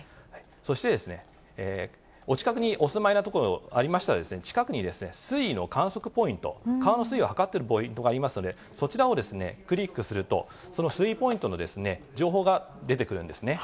そして、お近くにお住いの所、ありましたら、近くに水位の観測ポイント、川の水位を測っているポイントがありますので、そちらをクリックすると、その水位ポイントの情報が出てくるんですね。